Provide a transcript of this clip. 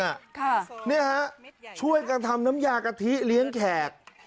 ค่ะเนี่ยฮะช่วยกันทำน้ำยากะทิเลี้ยงแขก